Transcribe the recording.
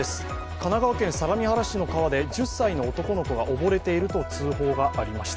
神奈川県相模原市の川で１０歳の男の子が溺れていると通報がありました。